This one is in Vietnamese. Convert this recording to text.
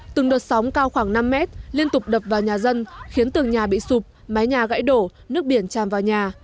từng đợt sóng cao khoảng năm mét liên tục đập vào nhà dân khiến tường nhà bị sụp mái nhà gãy đổ nước biển tràn vào nhà